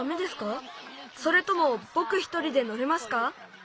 それともぼく一人でのれますか？